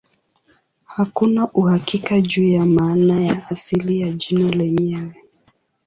Hakuna uhakika juu ya maana ya asili ya jina lenyewe.